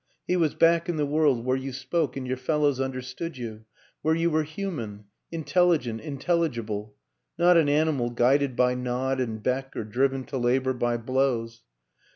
He was back in the world where you spoke and your fellows understood you, where you were human intelligent, intelligible not an animal guided by nod and beck or driven to labor by blows.